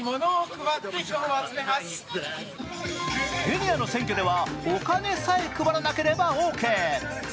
ケニアの選挙では、お金さえ配らなければオーケー。